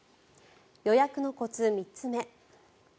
予約のコツ、３つ目。